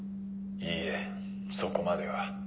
いいえそこまでは。